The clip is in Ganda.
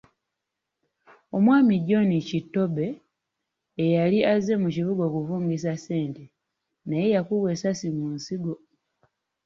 Omwami John Kittobbe eyali azze mu kibuga okuvungisa ssente naye yakubwa essasi mu nsigo.